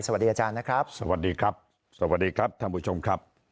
สวัสดีอาจารย์นะครับสวัสดีครับสวัสดีครับท่านผู้ชมครับ